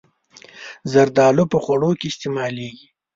زردالو په خوړو کې استعمالېږي.